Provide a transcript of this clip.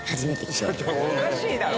ちょっとおかしいだろ！